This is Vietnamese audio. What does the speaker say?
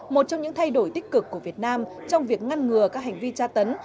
một trong những thay đổi tích cực của việt nam trong việc ngăn ngừa các hành vi tra tấn